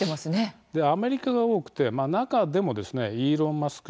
アメリカが多くて中でもイーロン・マスク